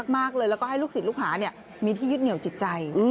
มากแล้วให้ลูกสิทธิ์และลูกหาเนี่ยมีที่ยึดเหงี่ยวจิตใจ